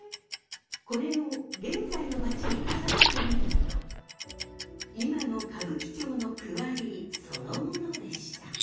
これを現在のまちに重ねてみると今の歌舞伎町の区割りそのものでした。